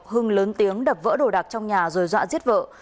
hưng lớn tiếng đập vỡ đồ đạc trong nhà rồi dọa giết vợ